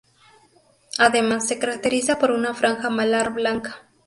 Además se caracteriza por una franja malar blanca.